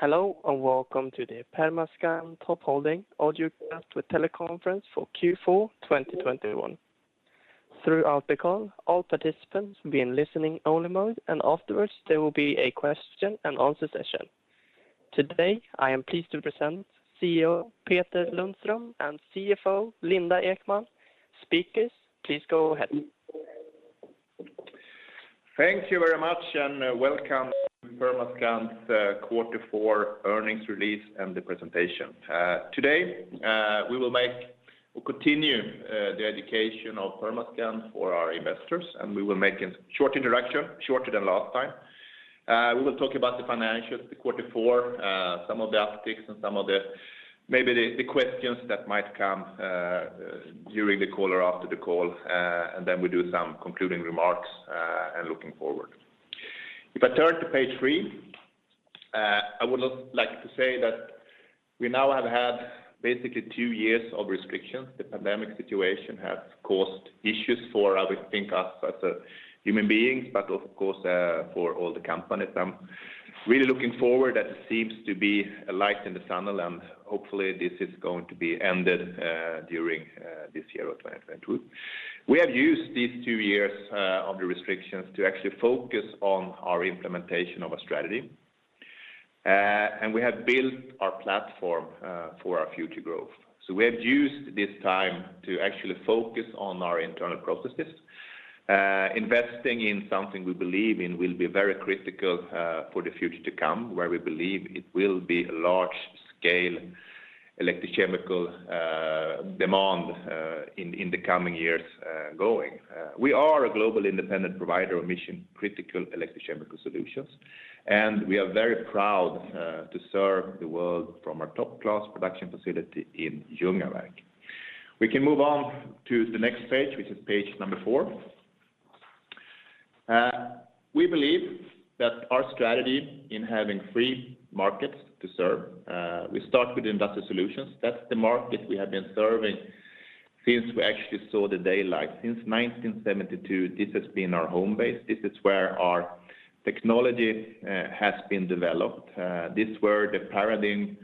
Hello, and welcome to the Permascand Top Holding audiocast with teleconference for Q4 2021. Throughout the call, all participants will be in listening only mode, and afterwards, there will be a question and answer session. Today, I am pleased to present CEO Peter Lundström and CFO Linda Ekman. Speakers, please go ahead. Thank you very much, and welcome to Permascand's quarter four earnings release and the presentation. Today, we'll continue the education of Permascand for our investors, and we will make a short introduction, shorter than last time. We will talk about the financials, the quarter four, some of the updates and some of the questions that might come during the call or after the call, and then we'll do some concluding remarks and looking forward. If I turn to page 3, I would like to say that we now have had basically 2 years of restrictions. The pandemic situation has caused issues for, I would think, us as human beings, but of course, for all the companies. I'm really looking forward that there seems to be a light in the tunnel, and hopefully this is going to be ended during this year of 2022. We have used these two years of the restrictions to actually focus on our implementation of our strategy. We have built our platform for our future growth. We have used this time to actually focus on our internal processes, investing in something we believe in will be very critical for the future to come, where we believe it will be a large-scale electrochemical demand in the coming years going. We are a global independent provider of mission-critical electrochemical solutions, and we are very proud to serve the world from our top-class production facility in Ljungaverk. We can move on to the next page, which is page number 4. We believe that our strategy in having three markets to serve. We start with Industrial Solutions. That's the market we have been serving since we actually saw the daylight. Since 1972, this has been our home base. This is where our technology has been developed. This was the paradigm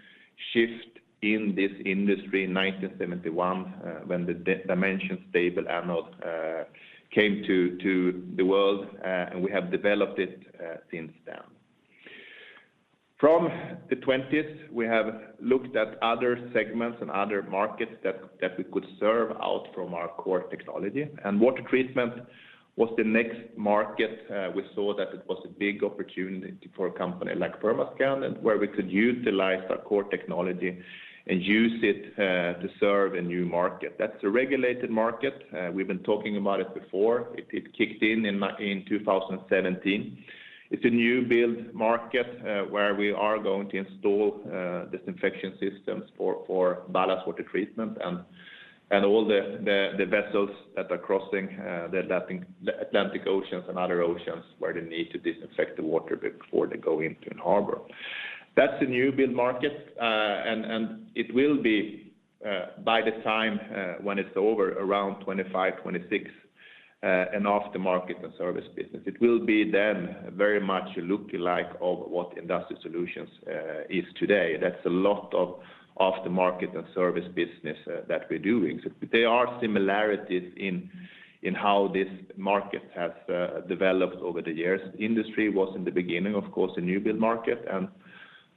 shift in this industry in 1971, when the Dimensionally Stable Anode came to the world, and we have developed it since then. From the 1920s, we have looked at other segments and other markets that we could serve out from our core technology. Water Treatment was the next market, we saw that it was a big opportunity for a company like Permascand and where we could utilize our core technology and use it to serve a new market. That's a regulated market. We've been talking about it before. It kicked in in 2017. It's a new build market, where we are going to install disinfection systems for ballast water treatment and all the vessels that are crossing the Atlantic Oceans and other oceans where they need to disinfect the water before they go into a harbor. That's a new build market, and it will be, by the time when it's over around 2025, 2026, an after-market and service business. It will be then very much a lookalike of what Industrial Solutions is today. That's a lot of after-market and service business that we're doing. There are similarities in how this market has developed over the years. Industrial was in the beginning, of course, a new build market,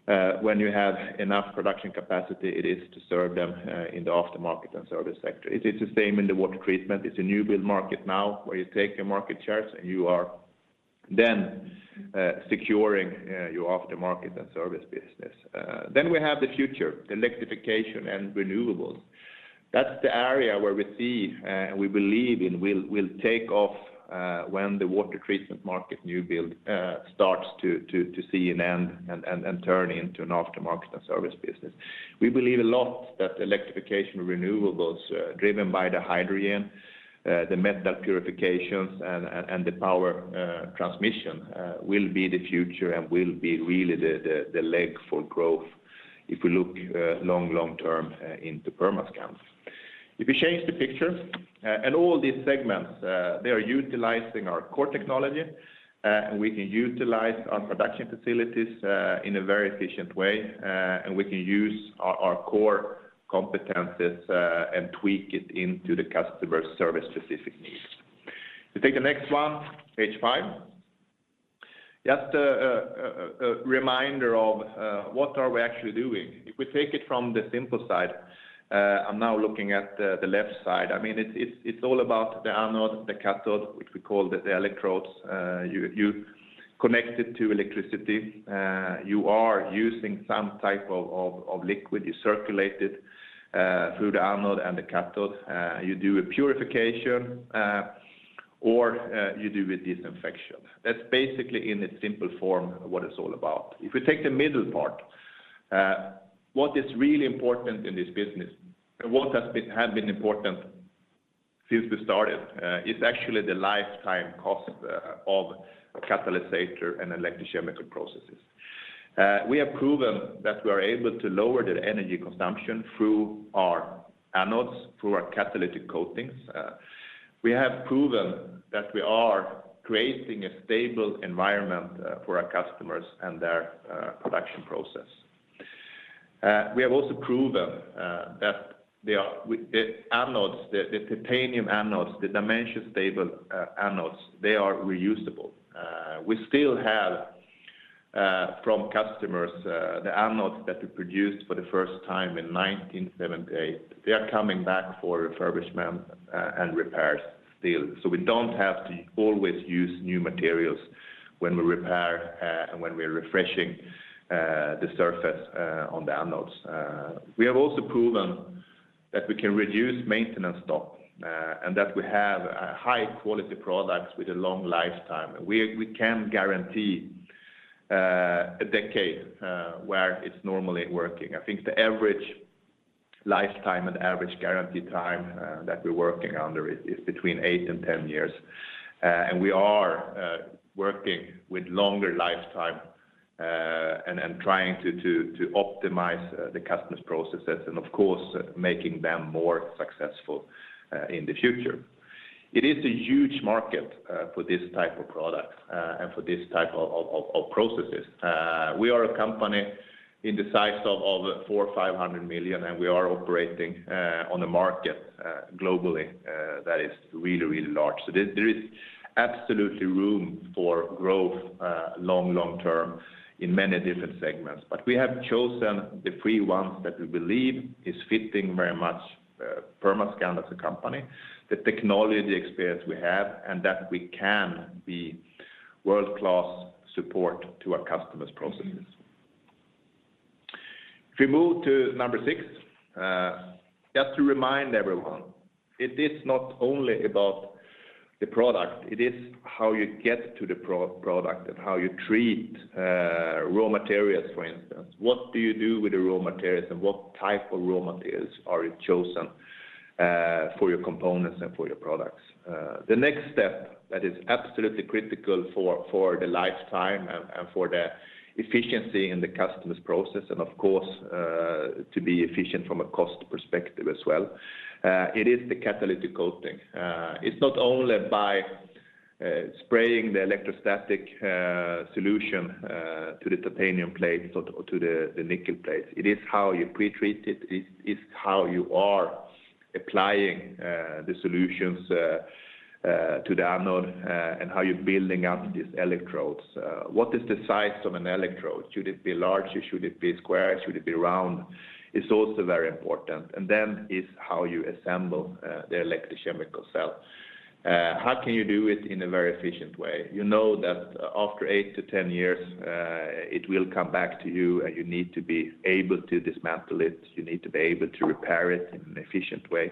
and when you have enough production capacity, it is to serve them in the after-market and service sector. It's the same in the Water Treatment. It's a new build market now where you take your market shares, and you are then securing your after-market and service business. We have the future, Electrification and Renewables. That's the area where we see and we believe it will take off when the Water Treatment market new build starts to see an end and turn into an after-market and service business. We believe a lot that Electrification & Renewables driven by the hydrogen, the metal purification and the power transmission will be the future and will be really the leg for growth if we look long-term into Permascand. If you change the picture and all these segments they are utilizing our core technology and we can utilize our production facilities in a very efficient way and we can use our core competencies and tweak it into the customer service specific needs. If you take the next one, page five. Just a reminder of what we are actually doing. If we take it from the simple side, I'm now looking at the left side. I mean, it's all about the anode, the cathode, which we call the electrodes. You connect it to electricity. You are using some type of liquid. You circulate it through the anode and the cathode. You do a purification or you do a disinfection. That's basically in its simple form what it's all about. If we take the middle part, what is really important in this business, and what has been important since we started, is actually the lifetime cost of catalyst and electrochemical processes. We have proven that we are able to lower the energy consumption through our anodes, through our catalytic coatings. We have proven that we are creating a stable environment for our customers and their production process. We have also proven that the anodes, the titanium anodes, the dimensionally stable anodes, they are reusable. We still have from customers the anodes that we produced for the first time in 1978. They are coming back for refurbishment and repairs still. We don't have to always use new materials when we repair and when we are refreshing the surface on the anodes. We have also proven that we can reduce maintenance stock and that we have high-quality products with a long lifetime. We can guarantee a decade where it's normally working. I think the average lifetime and average guarantee time that we're working under is between eight and 10 years. We are working with longer lifetime and trying to optimize the customer's processes and of course making them more successful in the future. It is a huge market for this type of product and for this type of processes. We are a company in the size of 400 million-500 million and we are operating on a market globally that is really, really large. There is absolutely room for growth long, long-term in many different segments. We have chosen the three ones that we believe is fitting very much Permascand as a company, the technology experience we have and that we can be world-class support to our customers' processes. If we move to number six, just to remind everyone, it is not only about the product. It is how you get to the product and how you treat raw materials, for instance. What do you do with the raw materials and what type of raw materials are you chosen for your components and for your products? The next step that is absolutely critical for the lifetime and for the efficiency in the customer's process and of course to be efficient from a cost perspective as well, it is the catalytic coating. It's not only by spraying the electrostatic coating to the titanium plates or to the nickel plates. It is how you pre-treat it. It's how you are applying the solutions to the anode and how you're building up these electrodes. What is the size of an electrode? Should it be larger? Should it be square? Should it be round? It's also very important. It's how you assemble the electrochemical cell. How can you do it in a very efficient way? You know that after 8-10 years, it will come back to you and you need to be able to dismantle it. You need to be able to repair it in an efficient way.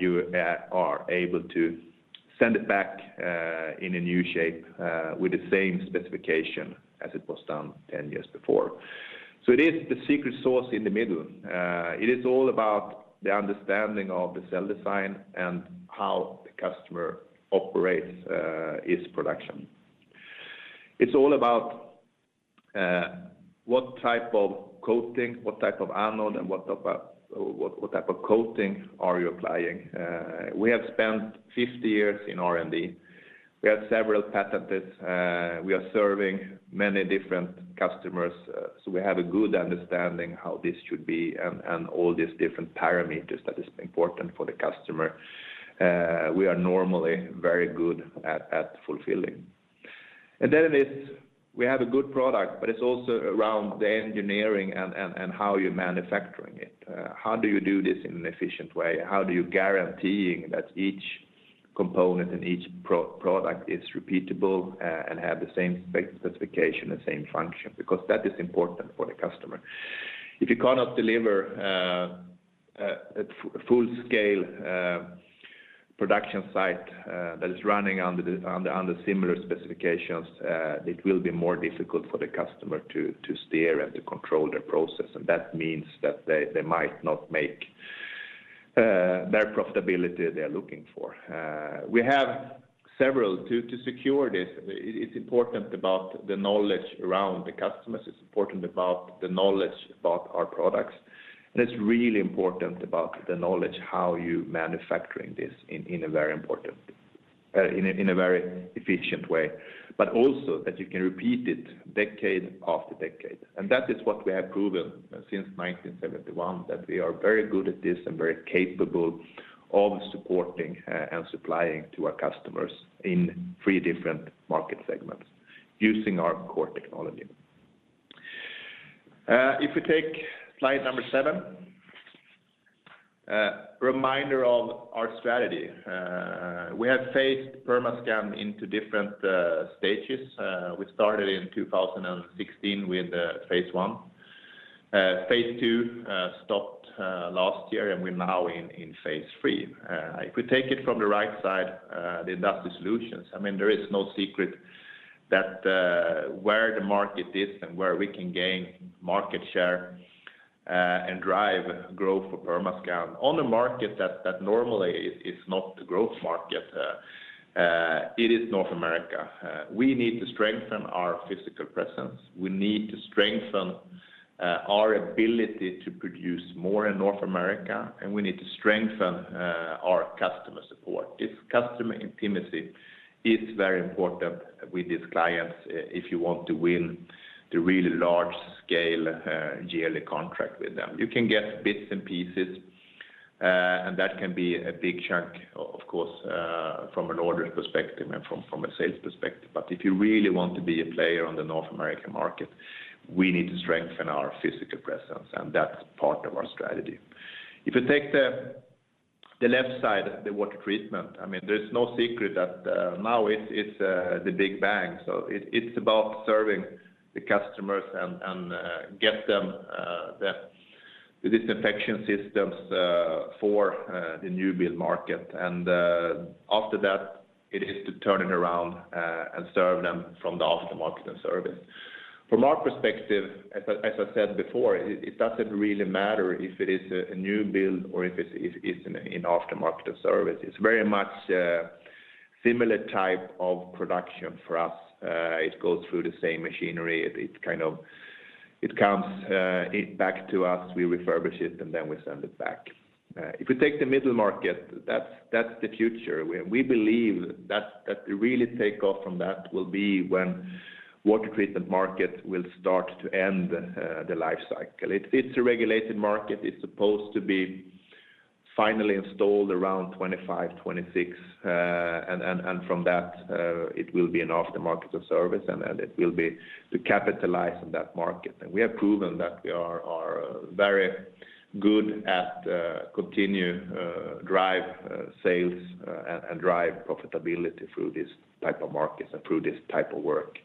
You are able to send it back in a new shape with the same specification as it was done 10 years before. It is the secret sauce in the middle. It is all about the understanding of the cell design and how the customer operates its production. It's all about what type of coating, what type of anode and what type of coating are you applying. We have spent 50 years in R&D. We have several patents. We are serving many different customers. We have a good understanding how this should be and all these different parameters that is important for the customer. We are normally very good at fulfilling. It is we have a good product, but it's also around the engineering and how you're manufacturing it. How do you do this in an efficient way? How do you guarantee that each component and each product is repeatable and have the same specification and same function? Because that is important for the customer. If you cannot deliver a full scale production site that is running under similar specifications, it will be more difficult for the customer to steer and to control their process. That means that they might not make their profitability they are looking for. We have several to secure this. It's important about the knowledge around the customers. It's important about the knowledge about our products. It's really important about the knowledge how you manufacturing this in a very efficient way. Also that you can repeat it decade after decade. That is what we have proven since 1971, that we are very good at this and very capable of supporting and supplying to our customers in three different market segments using our core technology. If we take slide number seven, reminder of our strategy. We have phased Permascand into different stages. We started in 2016 with phase one. Phase two stopped last year and we're now in phase three. If we take it from the right side, the Industrial Solutions, I mean, there is no secret that where the market is and where we can gain market share and drive growth for Permascand on a market that normally is not a growth market. It is North America. We need to strengthen our physical presence. We need to strengthen our ability to produce more in North America, and we need to strengthen our customer support. Customer intimacy is very important with these clients if you want to win the really large scale yearly contract with them. You can get bits and pieces, and that can be a big chunk of course from an ordering perspective and from a sales perspective. If you really want to be a player on the North American market, we need to strengthen our physical presence, and that's part of our strategy. If you take the left side, the Water Treatment, I mean, there's no secret that now it's the big bang. It's about serving the customers and get them the disinfection systems for the new build market. After that, it is to turn it around and serve them from the aftermarket and service. From our perspective, as I said before, it doesn't really matter if it is a new build or if it's an aftermarket or service. It's very much similar type of production for us. It goes through the same machinery. It comes back to us, we refurbish it, and then we send it back. If we take the aftermarket, that's the future. We believe that the really take off from that will be when Water Treatment market will start to end the life cycle. It's a regulated market. It's supposed to be finally installed around 2025, 2026. From that, it will be an aftermarket of service, and then it will be to capitalize on that market. We have proven that we are very good at continuing to drive sales and drive profitability through this type of markets and through this type of work.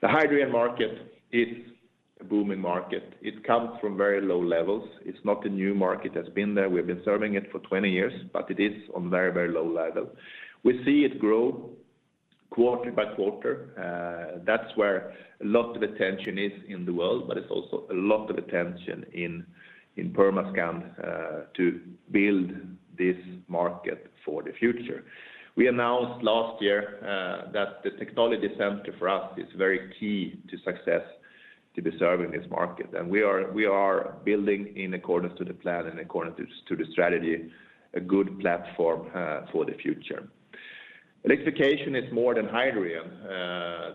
The hydrogen market is a booming market. It comes from very low-levels. It's not a new market that's been there. We've been serving it for 20 years, but it is on very, very low-level. We see it grow quarter-by-quarter. That's where a lot of attention is in the world, but it's also a lot of attention in Permascand to build this market for the future. We announced last year that the technology center for us is very key to success to be serving this market. We are building in accordance to the plan and accordance to the strategy, a good platform for the future. Electrification is more than hydrogen,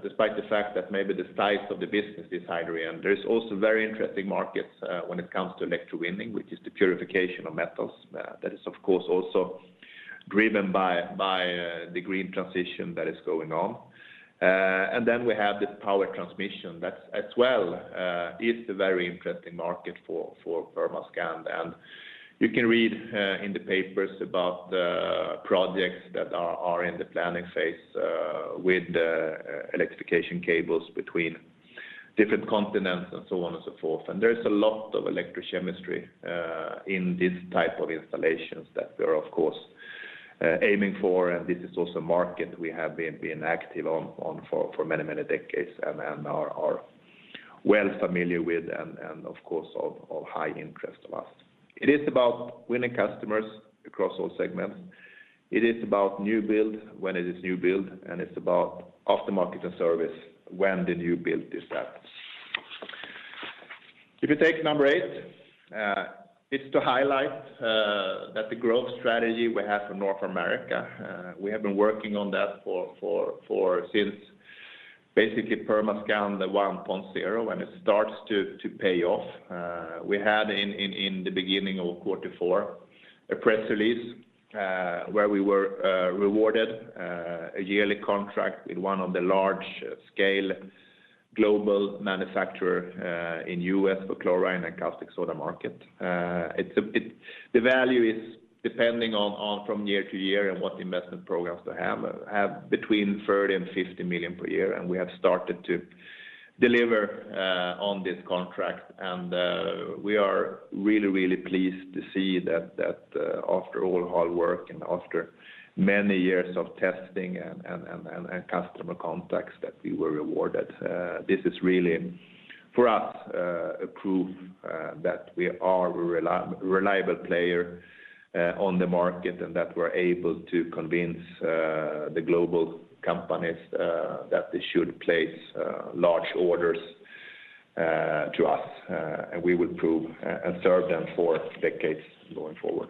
despite the fact that maybe the size of the business is hydrogen. There is also very interesting markets when it comes to electrowinning, which is the purification of metals. That is, of course, also driven by the green transition that is going on. We have the power transmission that as well is a very interesting market for Permascand. You can read in the papers about the projects that are in the planning phase with the electrification cables between different continents and so on and so forth. There is a lot of electrochemistry in this type of installations that we're of course aiming for. This is also a market we have been active on for many decades and are well familiar with and of course of high interest to us. It is about winning customers across all segments. It is about new build, and it's about aftermarket and service when the new build is up. If you take number eight, it's to highlight that the growth strategy we have for North America, we have been working on that for since basically Permascand 1.0, and it starts to pay off. We had in the beginning of Q4 a press release, where we were rewarded a yearly contract with one of the large-scale global manufacturer in the US for chlorine and caustic soda market. The value is depending on from year-to-year and what investment programs they have between 30 million and 50 million per year, and we have started to deliver on this contract. We are really pleased to see that after all hard work and after many years of testing and customer contacts that we were rewarded. This is really, for us, a proof that we are a reliable player on the market and that we're able to convince the global companies that they should place large orders to us and we would prove and serve them for decades going forward.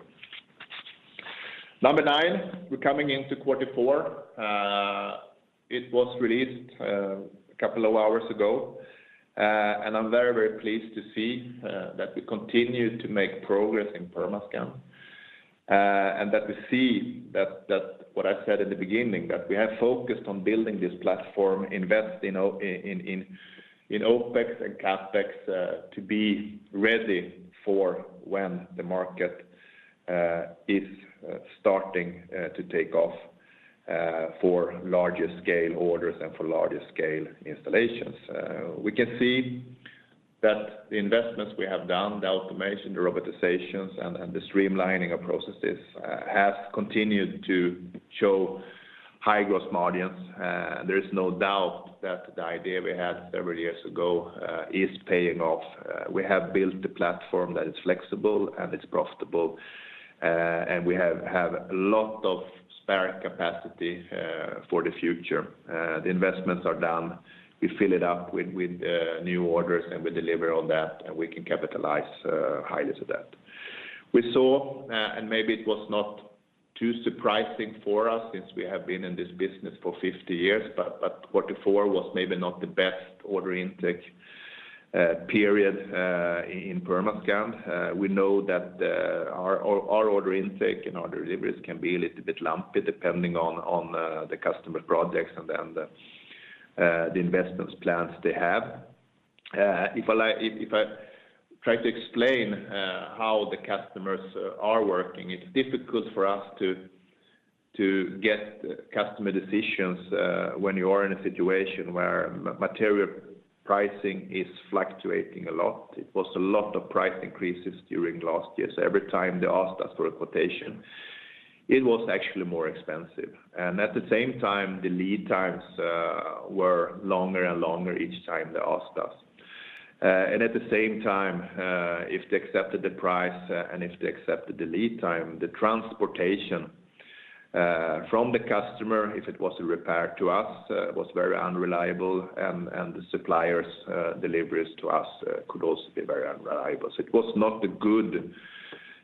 Number nine, we're coming into Q4. It was released a couple of hours ago, and I'm very, very pleased to see that we continue to make progress in Permascand, and that we see that what I said in the beginning, that we have focused on building this platform, invest in OPEX and CAPEX, to be ready for when the market is starting to take off for larger scale orders and for larger scale installations. We can see that the investments we have done, the automation, the robotizations, and the streamlining of processes has continued to show high gross margins. There is no doubt that the idea we had several years ago is paying off. We have built a platform that is flexible, and it's profitable, and we have a lot of spare capacity for the future. The investments are down. We fill it up with new orders, and we deliver on that, and we can capitalize highly to that. We saw. Maybe it was not too surprising for us since we have been in this business for 50 years, but Q4 was maybe not the best order intake period in Permascand. We know that our order intake and order deliveries can be a little bit lumpy depending on the customer projects and then the investment plans they have. If I try to explain how the customers are working, it's difficult for us to get customer decisions when you are in a situation where material pricing is fluctuating a lot. It was a lot of price increases during last year, so every time they asked us for a quotation, it was actually more expensive. At the same time, the lead times were longer and longer each time they asked us. At the same time, if they accepted the price and if they accepted the lead time, the transportation from the customer, if it was a repair to us, was very unreliable, and the suppliers' deliveries to us could also be very unreliable. It was not a good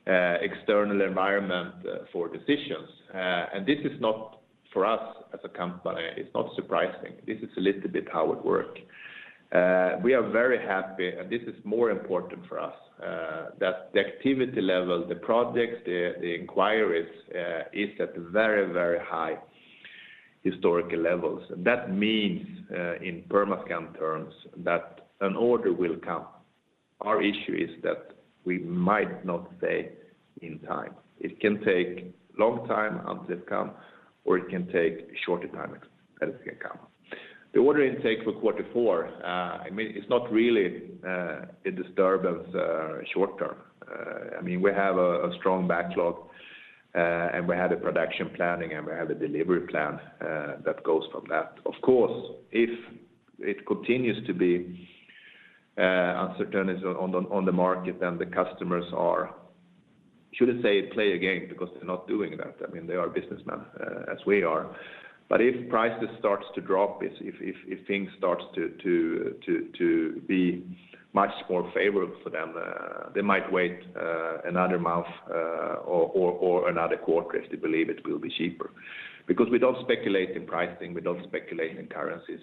external environment for decisions. This is not for us as a company, it's not surprising. This is a little bit how it work. We are very happy, and this is more important for us, that the activity level, the projects, the inquiries, is at very, very high historical levels. That means, in Permascand terms that an order will come. Our issue is that we might not see in time. It can take long time until it come, or it can take shorter time until it can come. The order intake for Q4, I mean, it's not really, a disturbance, short-term. I mean, we have a strong backlog, and we have a production planning, and we have a delivery plan, that goes from that. Of course, if it continues to be uncertainty on the market, then the customers are playing a game because they're not doing that. I mean, they are businessmen as we are. But if prices start to drop, if things start to be much more favorable for them, they might wait another month or another quarter if they believe it will be cheaper. Because we don't speculate in pricing, we don't speculate in currencies.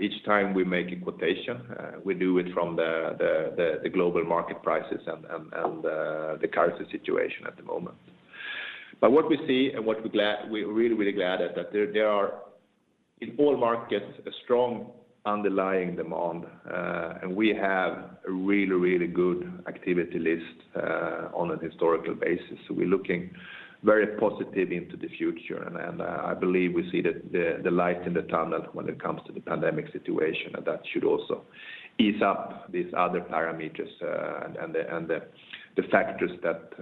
Each time we make a quotation, we do it from the global market prices and the currency situation at the moment. What we see and what we're really, really glad at that there are in all markets a strong underlying demand, and we have a really, really good activity list on a historical basis. We're looking very positive into the future. I believe we see the light in the tunnel when it comes to the pandemic situation, and that should also ease up these other parameters and the factors that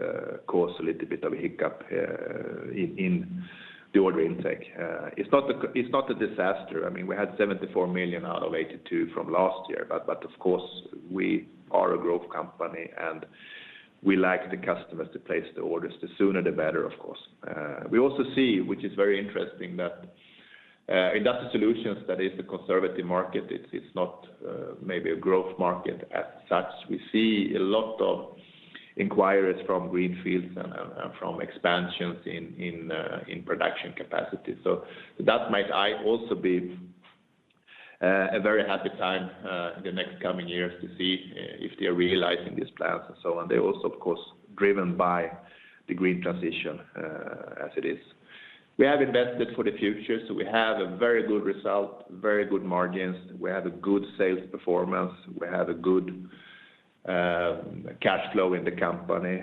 cause a little bit of a hiccup in the order intake. It's not a disaster. I mean, we had 74 million out of 82 million from last year. Of course, we are a growth company, and we like the customers to place the orders, the sooner the better, of course. We also see, which is very interesting, that Industrial Solutions, that is the conservative market, it's not maybe a growth market as such. We see a lot of inquiries from greenfields and from expansions in production capacity. That might also be a very happy time in the next coming years to see if they are realizing these plans and so on. They're also, of course, driven by the green transition, as it is. We have invested for the future, so we have a very good result, very good margins. We have a good sales performance. We have a good cash flow in the company,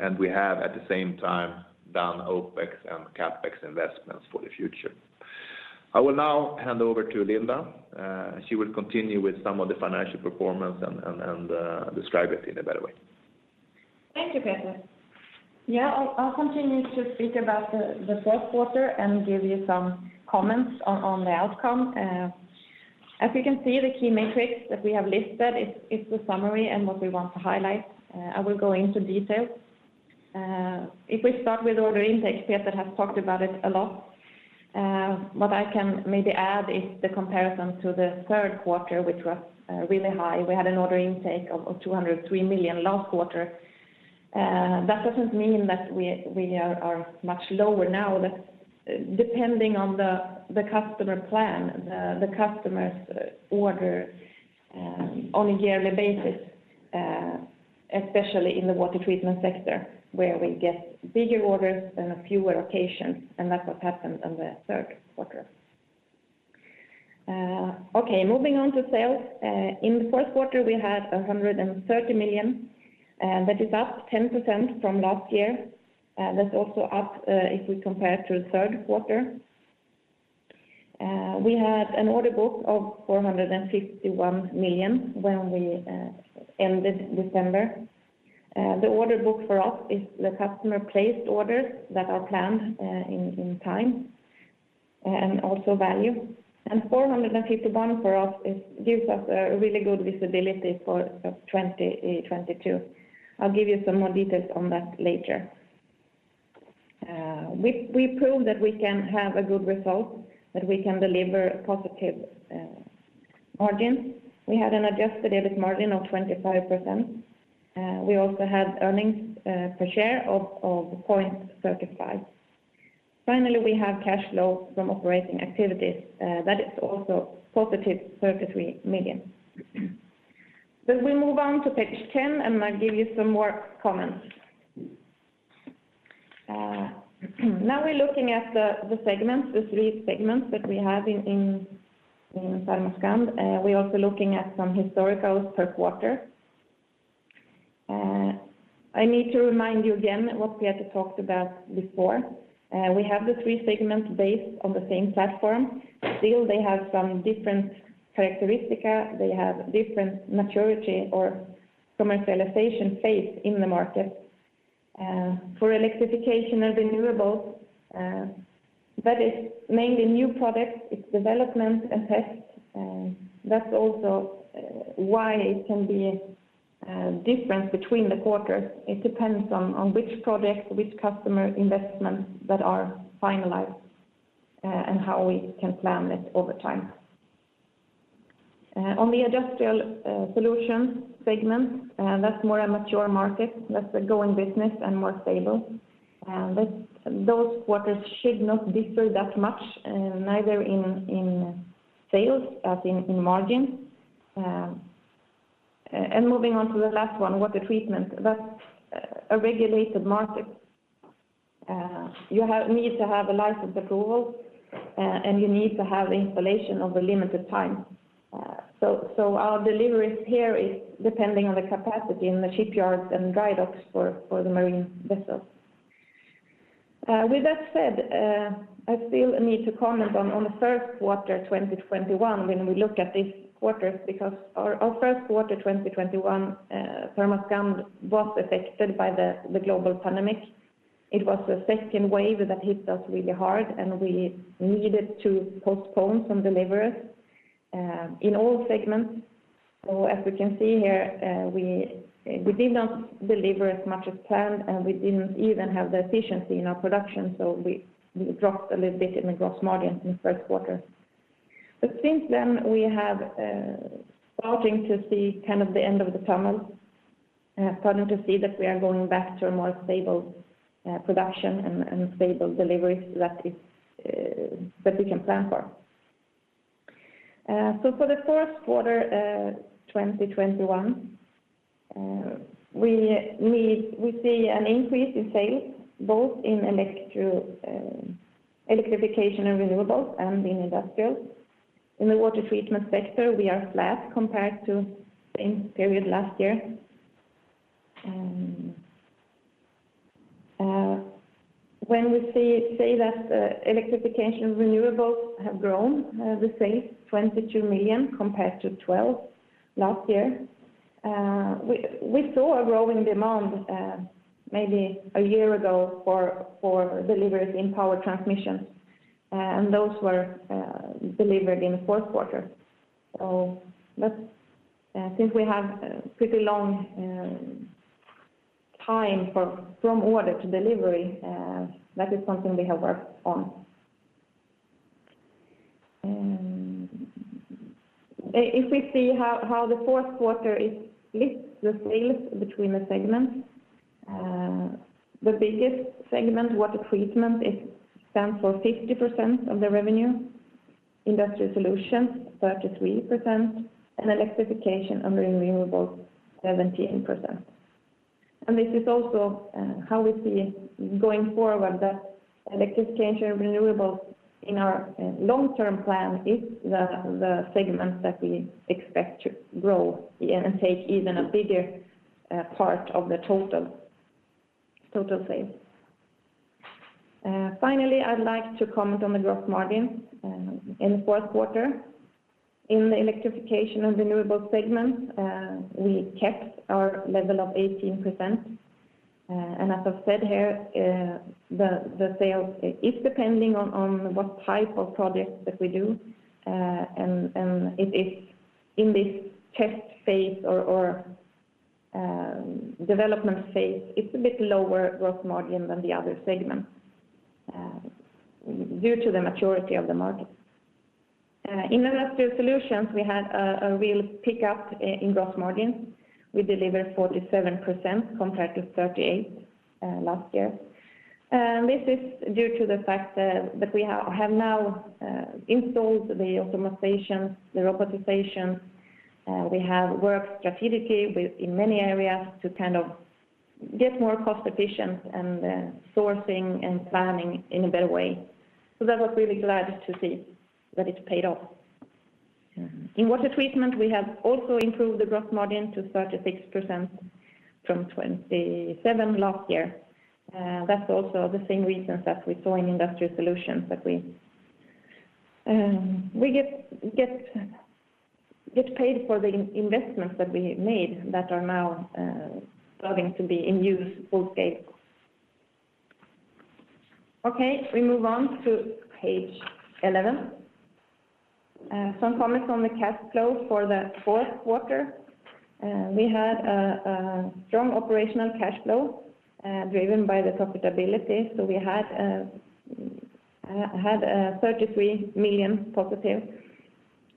and we have, at the same time, done OPEX and CAPEX investments for the future. I will now hand over to Linda. She will continue with some of the financial performance and describe it in a better way. Thank you, Peter. Yeah, I'll continue to speak about the Q4 and give you some comments on the outcome. As you can see, the key metrics that we have listed is the summary and what we want to highlight. I will go into details. If we start with order intake, Peter has talked about it a lot. What I can maybe add is the comparison to the Q3, which was really high. We had an order intake of 203 million last quarter. That doesn't mean that we are much lower now. That, depending on the customer plan, the customers order on a yearly basis, especially in the Water Treatment sector, where we get bigger orders on fewer occasions, and that's what happened in the Q3. Okay, moving on to sales. In the Q4, we had 130 million, that is up 10% from last year. That's also up, if we compare to the Q3. We had an order book of 451 million when we ended December. The order book for us is the customer placed orders that are planned in time and also value. 451 for us gives us a really good visibility for 2022. I'll give you some more details on that later. We prove that we can have a good result, that we can deliver positive margins. We had an adjusted EBIT margin of 25%. We also had earnings per share of 0.35. Finally, we have cash flow from operating activities that is also positive 33 million. We move on to page 10, and I give you some more comments. Now we're looking at the segments, the three segments that we have in Permascand. We're also looking at some historical Q1. I need to remind you again what Peter talked about before. We have the three segments based on the same platform. Still they have some different characteristics, they have different maturity or commercialization phase in the market. For Electrification & Renewables, that is mainly new products, it's development and test, that's also why it can be different between the quarters. It depends on which project, which customer investments that are finalized, and how we can plan it over time. On the Industrial Solutions segment, that's more a mature market, that's a going business and more stable. Those quarters should not differ that much, neither in sales as in margin. Moving on to the last one, Water Treatment, that's a regulated market. You need to have a license approval, and you need to have installation within a limited time. Our deliveries here is depending on the capacity in the shipyards and dry docks for the marine vessels. With that said, I still need to comment on the Q1 2021 when we look at these quarters, because our Q1 2021, Permascand was affected by the global pandemic. It was the second wave that hit us really hard, and we needed to postpone some deliveries in all segments. As we can see here, we did not deliver as much as planned, and we didn't even have the efficiency in our production, so we dropped a little bit in the gross margin in Q1. Since then we have starting to see kind of the end of the tunnel, starting to see that we are going back to a more stable production and stable deliveries that we can plan for. For the Q4 2021, we see an increase in sales both in Electrification & Renewables and in Industrial. In the Water Treatment sector, we are flat compared to same period last year. When we say that Electrification & Renewables have grown sales 22 million compared to 12 million last year, we saw a growing demand maybe a year ago for deliveries in power transmission, and those were delivered in the Q4. That's since we have a pretty long time from order to delivery, that is something we have worked on. If we see how the Q4 it splits the sales between the segments, the biggest segment, Water Treatment, it stands for 50% of the revenue, Industrial Solutions 33%, and Electrification & Renewables 17%. This is also how we see going forward that Electrification & Renewables in our long-term plan is the segment that we expect to grow and take even a bigger part of the total sales. Finally, I'd like to comment on the gross margin in the Q4. In the Electrification & Renewables segment, we kept our level of 18%, and as I've said here, the sales is depending on what type of projects that we do, and it is in this test phase or development phase, it's a bit lower gross margin than the other segments due to the maturity of the market. In Industrial Solutions, we had a real pick-up in gross margin. We delivered 47% compared to 38% last year. This is due to the fact that we have now installed the automation, the robotization. We have worked strategically within many areas to kind of get more cost efficient and sourcing and planning in a better way. That we're really glad to see that it's paid off. In Water Treatment, we have also improved the gross margin to 36% from 27% last year. That's also the same reasons that we saw in Industrial Solutions, that we get paid for the investments that we made that are now starting to be in use full scale. Okay, we move on to page 11. Some comments on the cash flow for the Q4. We had a strong operational cash flow driven by the profitability. We had 33 million positive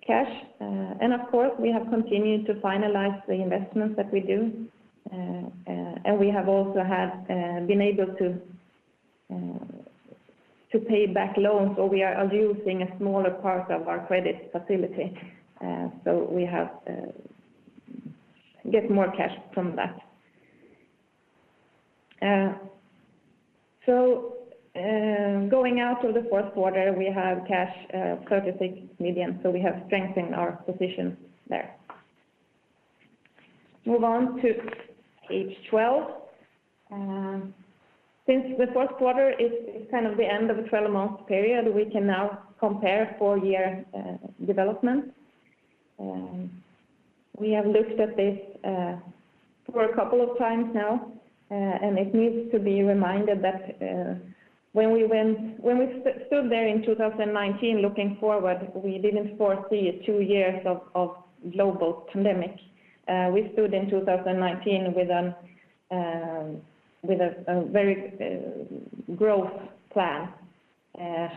cash. Of course, we have continued to finalize the investments that we do. We have also been able to pay back loans or we are using a smaller part of our credit facility. We have got more cash from that. Going out of the Q4, we have cash 36 million, so we have strengthened our position there. Move on to page 12. Since the Q4 is kind of the end of the 12-month period, we can now compare four-year development. We have looked at this for a couple of times now, and it needs to be reminded that when we stood there in 2019 looking forward, we didn't foresee two years of global pandemic. We stood in 2019 with a very growth plan.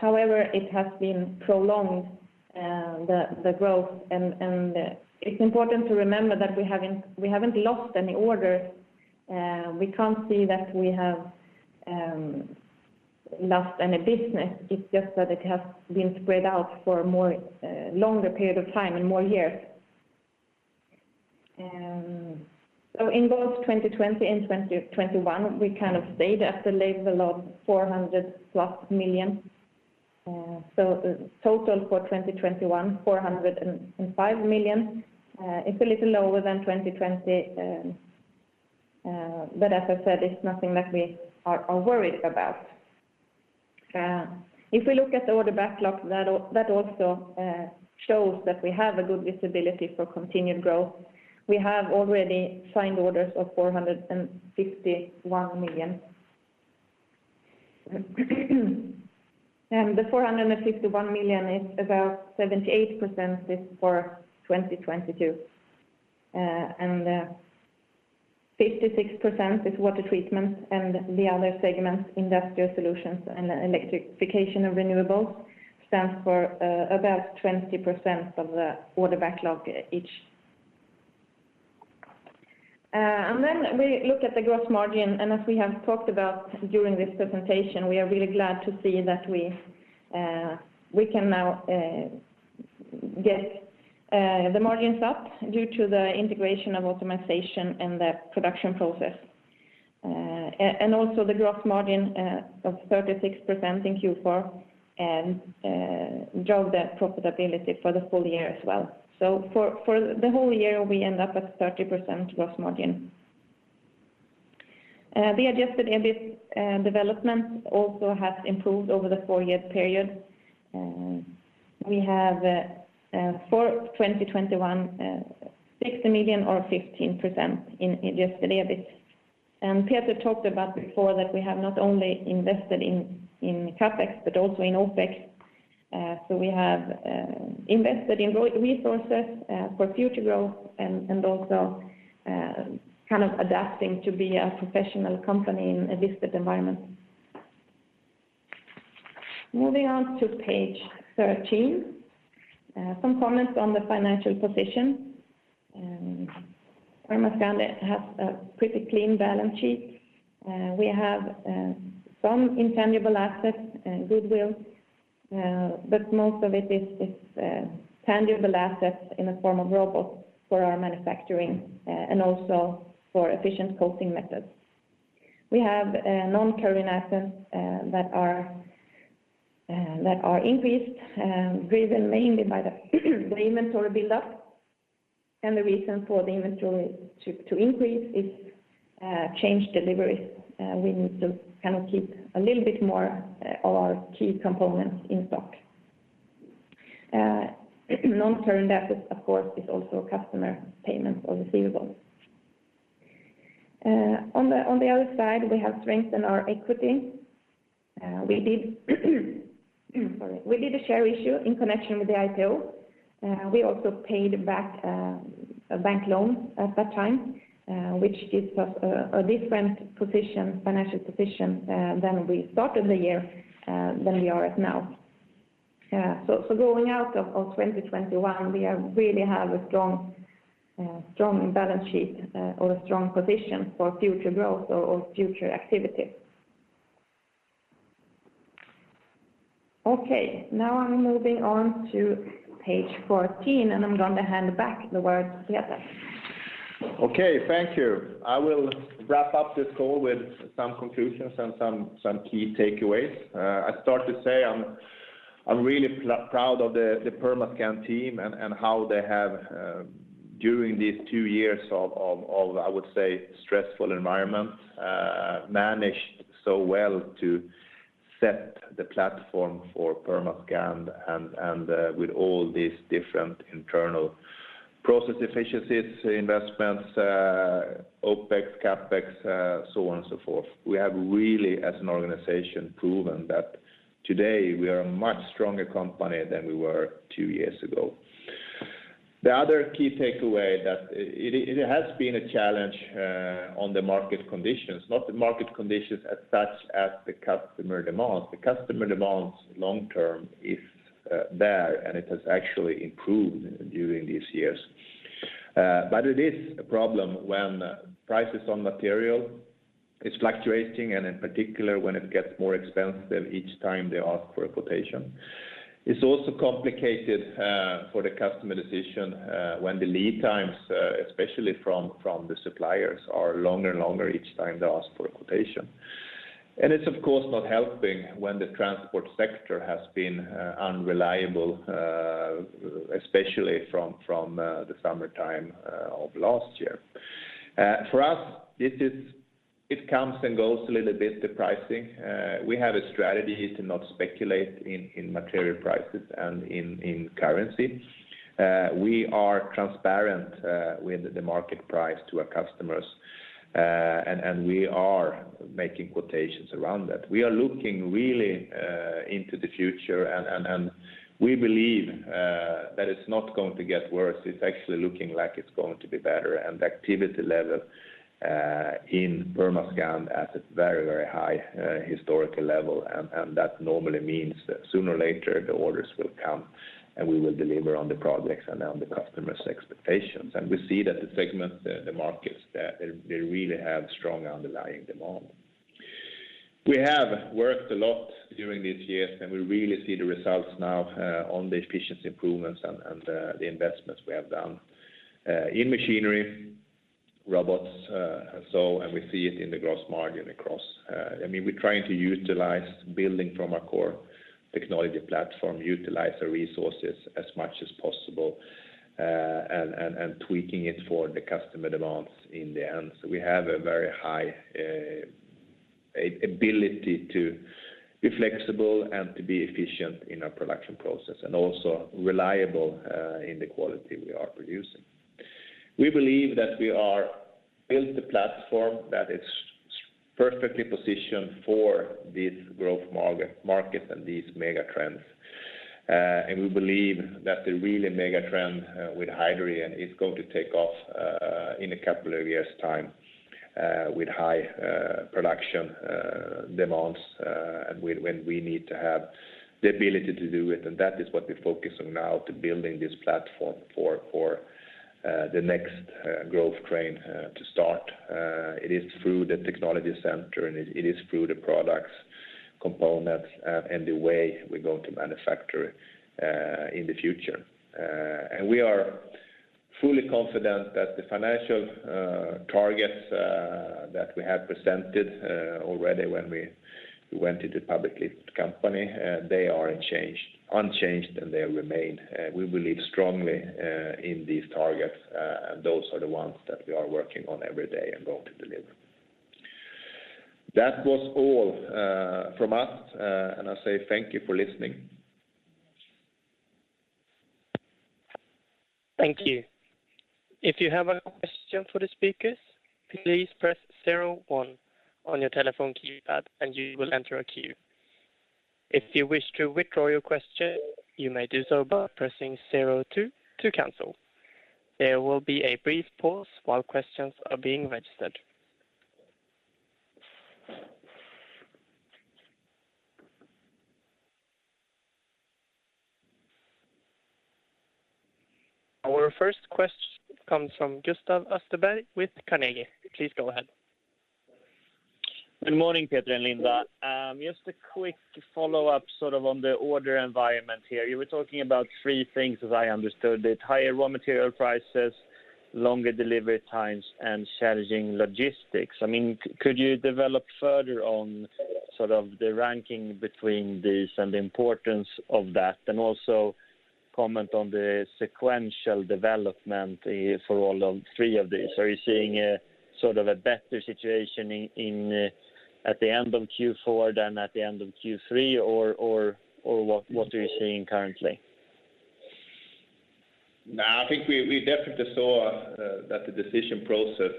However, it has been prolonged, the growth, and it's important to remember that we haven't lost any order. We can't see that we have lost any business. It's just that it has been spread out for more longer period of time and more years. In both 2020 and 2021, we kind of stayed at the level of 400+ million. Total for 2021, 405 million. It's a little lower than 2020, but as I said, it's nothing that we are worried about. If we look at the order backlog, that also shows that we have a good visibility for continued growth. We have already signed orders of 451 million. The 451 million is about 78% for 2022. 56% is Water Treatment and the other segments, Industrial Solutions and Electrification & Renewables, stand for about 20% of the order backlog each. Then we look at the gross margin, and as we have talked about during this presentation, we are really glad to see that we can now get the margins up due to the integration and optimization and the production process. Also the gross margin of 36% in Q4 drove the profitability for the full-year as well. For the whole year, we end up at 30% gross margin. The adjusted EBIT development also has improved over the four-year period. We have for 2021 60 million or 15% in adjusted EBIT. Peter talked about before that we have not only invested in CapEx but also in OpEx. We have invested in resources for future growth and also kind of adapting to be a professional company in a digital environment. Moving on to page 13. Some comments on the financial position. Permascand has a pretty clean balance sheet. We have some intangible assets and goodwill, but most of it is tangible assets in the form of robots for our manufacturing and also for efficient coating methods. We have non-current assets that are increased, driven mainly by the inventory build-up. The reason for the inventory to increase is changed deliveries. We need to kind of keep a little bit more of our key components in stock. Non-current assets, of course, is also customer payments or receivables. On the other side, we have strengthened our equity. We did, sorry, a share issue in connection with the IPO. We also paid back a bank loan at that time, which gives us a different financial position than we started the year than we are at now. Going out of 2021, we really have a strong balance sheet or a strong position for future growth or future activities. Okay, now I'm moving on to page 14, and I'm going to hand back the word to Peter. Okay, thank you. I will wrap up this call with some conclusions and key takeaways. I start to say I'm really proud of the Permascand team and how they have during these two years of I would say stressful environment managed so well to set the platform for Permascand and with all these different internal process efficiencies, investments, OPEX, CapEx, so on and so forth. We have really, as an organization, proven that today we are a much stronger company than we were two years ago. The other key takeaway that it has been a challenge on the market conditions, not the market conditions as such as the customer demands. The customer demands long-term is there, and it has actually improved during these years. It is a problem when prices on material is fluctuating, and in particular when it gets more expensive each time they ask for a quotation. It's also complicated for the customer decision when the lead times especially from the suppliers are longer and longer each time they ask for a quotation. It's of course not helping when the transport sector has been unreliable especially from the summertime of last year. For us, it comes and goes a little bit, the pricing. We have a strategy to not speculate in material prices and in currency. We are transparent with the market price to our customers and we are making quotations around that. We are looking really into the future and we believe that it's not going to get worse. It's actually looking like it's going to be better. The activity level in Permascand is at a very, very high historical level. That normally means sooner or later the orders will come, and we will deliver on the projects and on the customers' expectations. We see that the segment, the markets, they really have strong underlying demand. We have worked a lot during these years, and we really see the results now on the efficiency improvements and the investments we have done in machinery, robots, and we see it in the gross margin across. I mean, we're trying to utilize building from our core technology platform, utilize our resources as much as possible, and tweaking it for the customer demands in the end. We have a very high ability to be flexible and to be efficient in our production process, and also reliable in the quality we are producing. We believe that we are built a platform that is perfectly positioned for these growth markets and these mega trends. We believe that the really mega trend with hydrogen is going to take off in a couple of years' time with high production demands, and when we need to have the ability to do it. That is what we focus on now to building this platform for the next growth train to start. It is through the technology center, and it is through the products, components, and the way we're going to manufacture in the future. We are fully confident that the financial targets that we have presented already when we went into public company, they are unchanged, and they remain. We believe strongly in these targets, and those are the ones that we are working on every day and going to deliver. That was all from us, and I say thank you for listening. Thank you. Our first question comes from Gustav Österberg with Carnegie. Please go ahead. Good morning, Peter Lundström and Linda Ekman. Just a quick follow-up sort of on the order environment here. You were talking about three things, as I understood it, higher raw material prices, longer delivery times, and challenging logistics. I mean, could you develop further on sort of the ranking between these and the importance of that? Also comment on the sequential development for all three of these. Are you seeing a sort of a better situation at the end of Q4 than at the end of Q3, or what are you seeing currently? No, I think we definitely saw that the decision process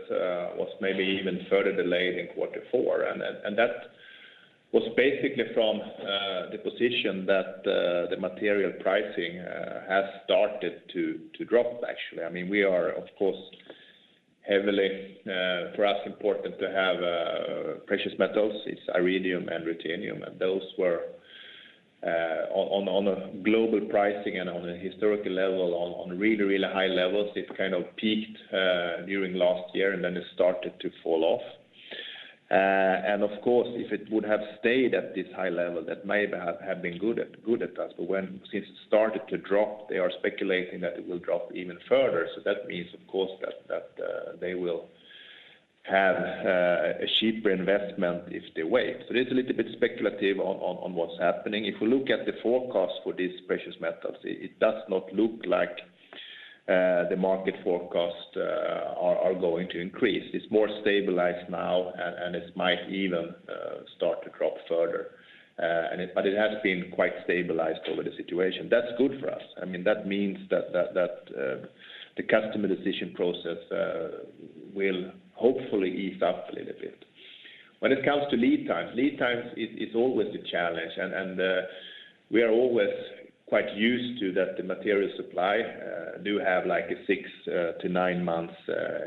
was maybe even further delayed in Q4. That was basically from the position that the material pricing has started to drop, actually. I mean, we are of course heavily for us important to have precious metals. It's iridium and ruthenium, and those were on a global pricing and on a historical level, on really high-levels. It kind of peaked during last year, and then it started to fall off. Of course, if it would have stayed at this high-level, that may have been good for us. When it since started to drop, they are speculating that it will drop even further. That means of course that they will have a cheaper investment if they wait. It is a little bit speculative on what's happening. If we look at the forecast for these precious metals, it does not look like the market forecast are going to increase. It's more stabilized now and it might even start to drop further. It has been quite stabilized over the situation. That's good for us. I mean, that means that the customer decision process will hopefully ease up a little bit. When it comes to lead times, lead times is always a challenge. We are always quite used to that the material supply do have like a 6 to 9 months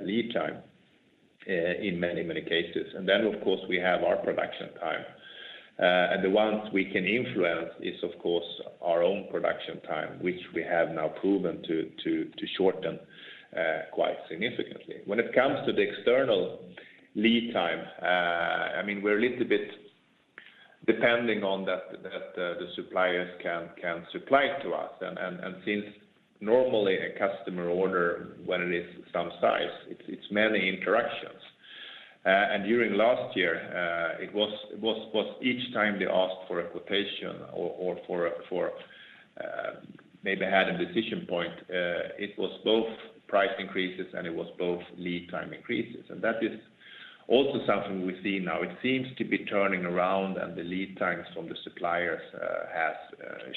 lead time in many cases. Of course, we have our production time. The ones we can influence is of course our own production time, which we have now proven to shorten quite significantly. When it comes to the external lead time, I mean, we're a little bit depending on that the suppliers can supply to us. Since normally a customer order when it is some size, it's many interactions. During last year, it was each time they asked for a quotation or for maybe had a decision point, it was both price increases, and it was both lead time increases. That is also something we see now. It seems to be turning around and the lead times from the suppliers has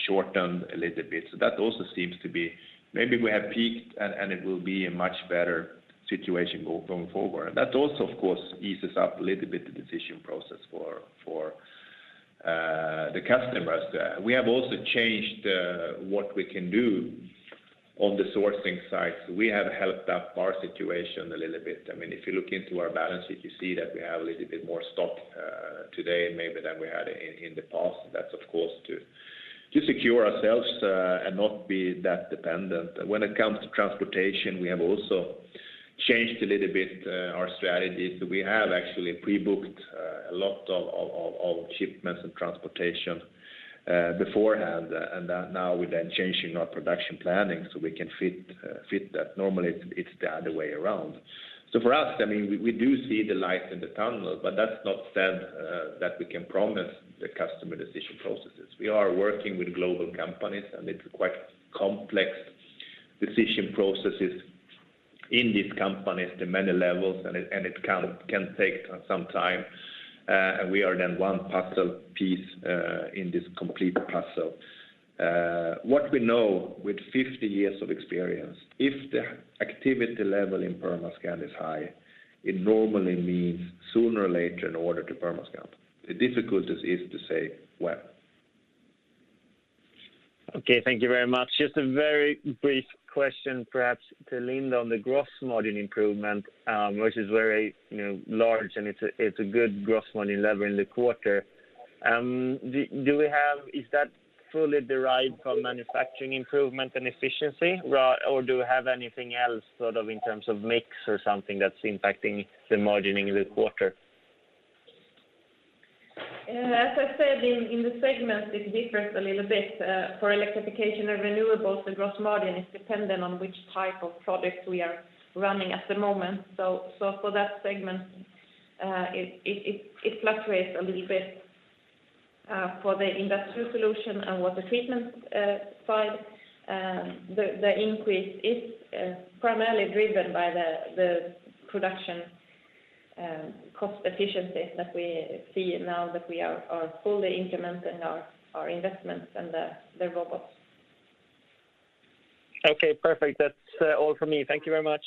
shortened a little bit. That also seems to be maybe we have peaked and it will be a much better situation going forward. That also, of course, eases up a little bit the decision process for the customers. We have also changed what we can do on the sourcing side. We have beefed up our situation a little bit. I mean, if you look into our balances, you see that we have a little bit more stock today maybe than we had in the past. That's of course to secure ourselves and not be that dependent. When it comes to transportation, we have also changed a little bit our strategies. We have actually pre-booked a lot of shipments and transportation beforehand, and now we're then changing our production planning, so we can fit that. Normally it's the other way around. For us, I mean, we do see the light in the tunnel, but that's not said that we can promise the customer decision processes. We are working with global companies, and it's quite complex decision processes in these companies to many levels, and it can take some time. We are then one puzzle piece in this complete puzzle. What we know with 50 years of experience, if the activity level in Permascand is high, it normally means sooner or later an order to Permascand. The difficulty is to say when. Okay, thank you very much. Just a very brief question perhaps to Linda on the gross margin improvement, which is very, you know, large, and it's a good gross margin level in the quarter. Is that fully derived from manufacturing improvement and efficiency, or do we have anything else sort of in terms of mix or something that's impacting the margin in the quarter? As I said in the segment, it differs a little bit. For Electrification and Renewables, the gross margin is dependent on which type of product we are running at the moment. For that segment, it fluctuates a little bit. For the Industrial Solutions and Water Treatment side, the increase is primarily driven by the production cost efficiencies that we see now that we are fully implementing our investments and the robots. Okay, perfect. That's all from me. Thank you very much.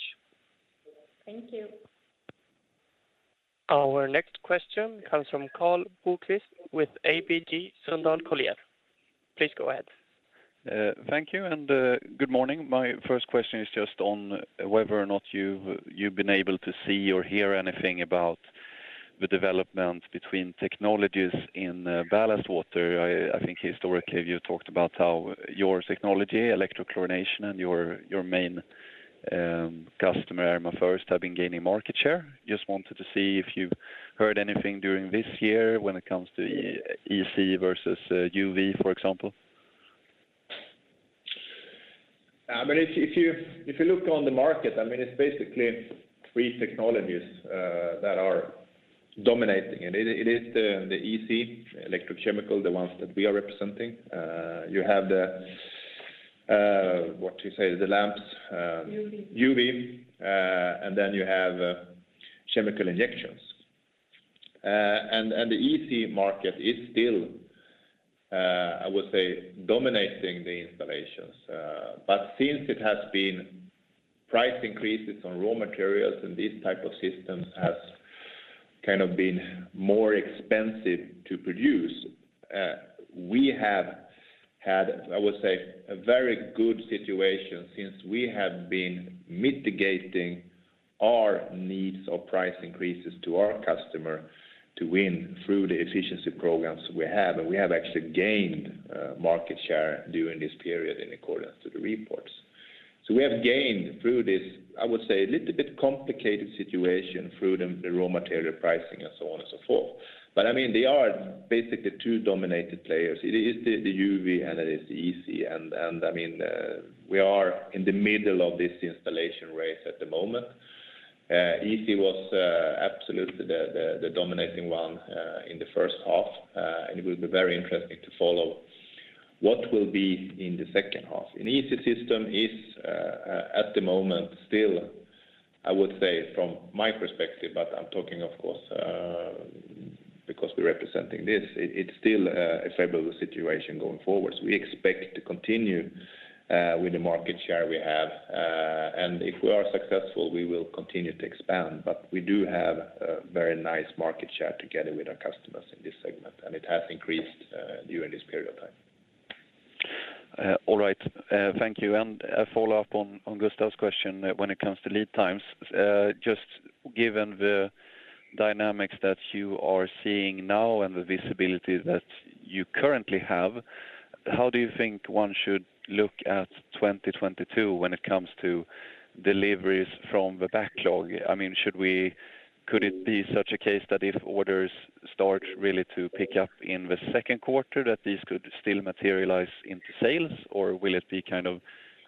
Thank you. Our next question comes from Karl Bokvist with ABG Sundal Collier. Please go ahead. Thank you, and good morning. My first question is just on whether or not you've been able to see or hear anything about the development between technologies in ballast water. I think historically you talked about how your technology, electrochlorination, and your main customer, De Nora, have been gaining market share. Just wanted to see if you've heard anything during this year when it comes to EC versus UV, for example. I mean, if you look on the market, I mean, it's basically three technologies that are dominating. It is the EC, electrochemical, the ones that we are representing. You have the, what you say, the lamps. UV. UV. Then you have chemical injections. The EC market is still, I would say, dominating the installations. Since it has been price increases on raw materials and these type of systems has kind of been more expensive to produce, we have had, I would say, a very good situation since we have been mitigating our needs of price increases to our customer to win through the efficiency programs we have. We have actually gained market share during this period in accordance to the reports. We have gained through this, I would say, a little bit complicated situation through the raw material pricing and so on and so forth. I mean, there are basically two dominated players. It is the UV, and it is the EC. I mean, we are in the middle of this installation race at the moment. EC was absolutely the dominating one in the first half. It will be very interesting to follow what will be in the second half. An EC system is at the moment still, I would say from my perspective, but I'm talking of course, because we're representing this, it's still a favorable situation going forward. We expect to continue with the market share we have. If we are successful, we will continue to expand. We do have a very nice market share together with our customers in this segment, and it has increased during this period of time. All right. Thank you. A follow-up on Gustav's question when it comes to lead times. Just given the dynamics that you are seeing now and the visibility that you currently have, how do you think one should look at 2022 when it comes to deliveries from the backlog? I mean, could it be such a case that if orders start really to pick up in the Q2, that these could still materialize into sales? Or will it be kind of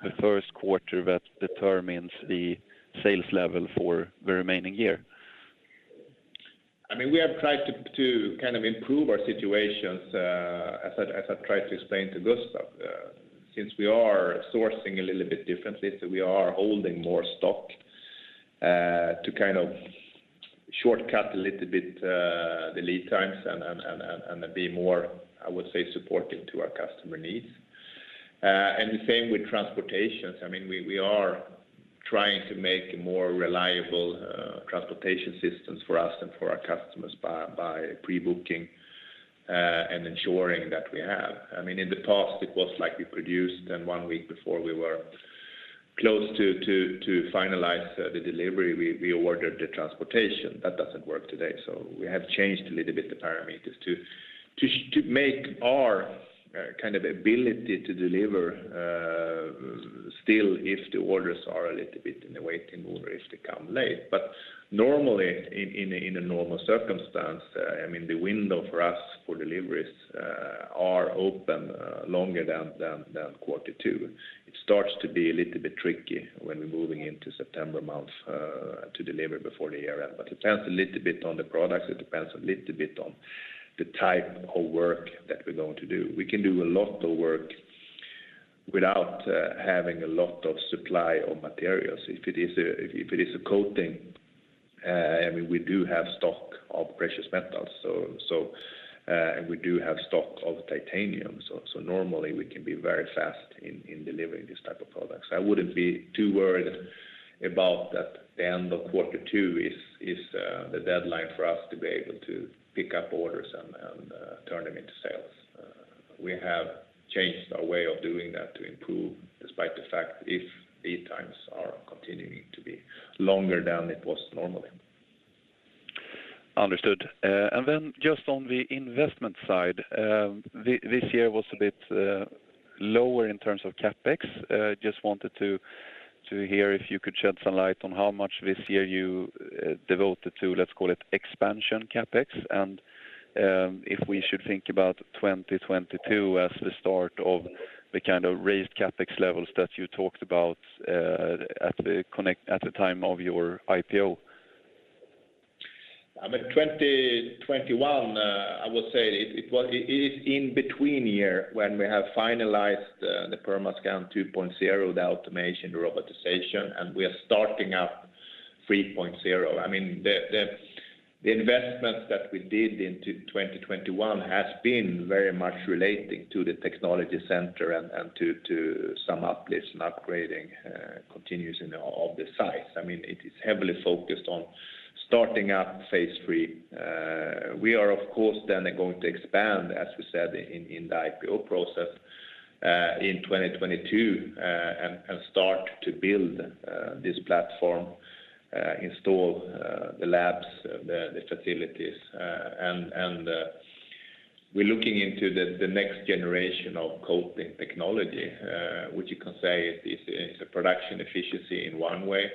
the Q1 that determines the sales level for the remaining year? I mean, we have tried to kind of improve our situations, as I've tried to explain to Gustav. Since we are sourcing a little bit differently, we are holding more stock to kind of shortcut a little bit the lead times and be more, I would say, supportive to our customer needs. The same with transportation. I mean, we are trying to make more reliable transportation systems for us and for our customers by pre-booking and ensuring that we have. I mean, in the past, it was like we produced, and one week before we were close to finalize the delivery, we ordered the transportation. That doesn't work today. We have changed a little bit the parameters to make our ability to deliver still if the orders are a little bit in the waiting or if they come late. Normally, in a normal circumstance, I mean, the window for us for deliveries are open longer than quarter two. It starts to be a little bit tricky when we're moving into September month to deliver before the year end. It depends a little bit on the products, it depends a little bit on the type of work that we're going to do. We can do a lot of work without having a lot of supply of materials. If it is a coating, I mean, we do have stock of precious metals, and we do have stock of titanium. Normally we can be very fast in delivering these type of products. I wouldn't be too worried about that the end of quarter two is the deadline for us to be able to pick up orders and turn them into sales. We have changed our way of doing that to improve despite the fact if lead times are continuing to be longer than it was normally. Understood. Just on the investment side, this year was a bit lower in terms of CapEx. Just wanted to hear if you could shed some light on how much this year you devoted to, let's call it expansion CapEx. If we should think about 2022 as the start of the kind of raised CapEx levels that you talked about at the time of your IPO. I mean, 2021, I would say it was an in-between year when we have finalized the Permascand 2.0, the automation, the robotization, and we are starting up 3.0. I mean, the investments that we did in 2021 has been very much relating to the technology center and to some uplifts and upgrading continues in all the sites. I mean, it is heavily focused on starting up phase three. We are of course then going to expand, as we said in the IPO process, in 2022, and start to build this platform, install the labs, the facilities. We're looking into the next generation of coating technology, which you can say is a production efficiency in one way.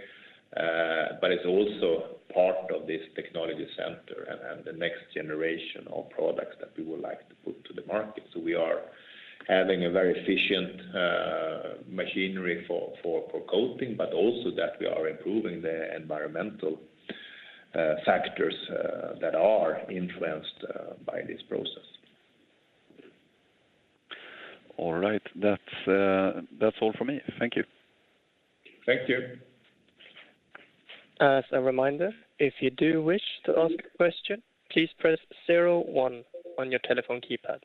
It's also part of this technology center and the next generation of products that we would like to put to the market. We are having a very efficient machinery for coating, but also that we are improving the environmental factors that are influenced by this process. All right. That's all for me. Thank you. Thank you. As a reminder, if you do wish to ask a question, please press zero one on your telephone keypad.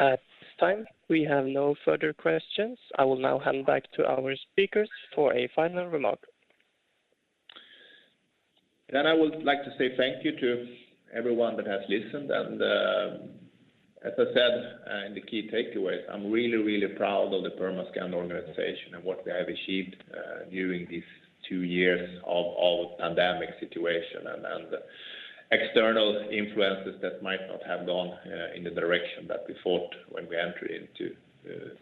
At this time, we have no further questions. I will now hand back to our speakers for a final remark. I would like to say thank you to everyone that has listened. As I said, in the key takeaways, I'm really, really proud of the Permascand organization and what they have achieved during these two years of pandemic situation and external influences that might not have gone in the direction that we thought when we entered into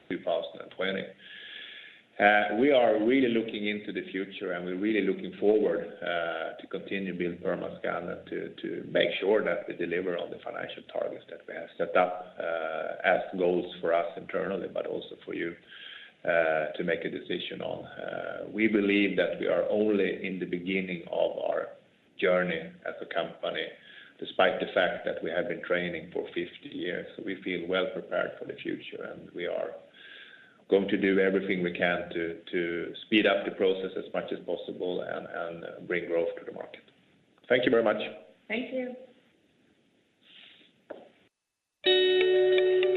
2020. We are really looking into the future, and we're really looking forward to continue building Permascand and to make sure that we deliver on the financial targets that we have set up as goals for us internally, but also for you to make a decision on. We believe that we are only in the beginning of our journey as a company, despite the fact that we have been trading for 50 years. We feel well-prepared for the future, and we are going to do everything we can to speed up the process as much as possible and bring growth to the market. Thank you very much. Thank you.